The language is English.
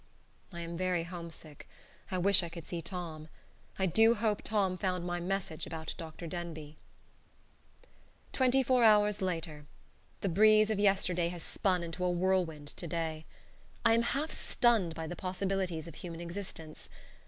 I am very homesick. I wish I could see Tom. I do hope Tom found my message about Dr. Denbigh. Twenty four hours later. The breeze of yesterday has spun into a whirlwind to day. I am half stunned by the possibilities of human existence.